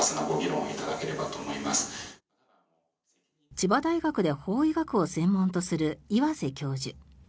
千葉大学で法医学を専門とする岩瀬教授。